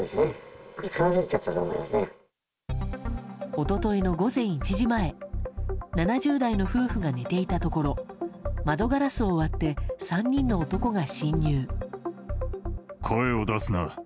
一昨日の午前１時前７０代の夫婦が寝ていたところ窓ガラスを割って３人の男が侵入。